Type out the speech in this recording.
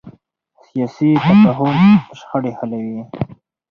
سیاسي تفاهم شخړې حلوي